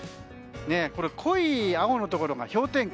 濃い青のところが氷点下。